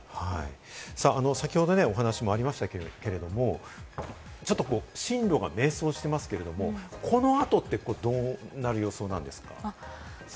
先ほどお話ありましたけれども、進路が迷走していますけれども、このあとってどうなる予想なんですか？